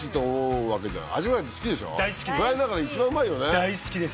あの大好きです